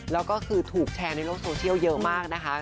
แล้วก็คือถูกแชร์ในโลกโซเชียลเยอะมากนะคะ